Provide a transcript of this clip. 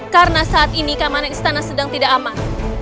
karena saat ini keamanan istana sedang tidak aman